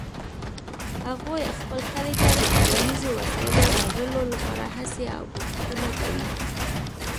هغوی خپل کلي ته د کرنیزو وسایلو راوړلو لپاره هڅې او کوښښونه کوي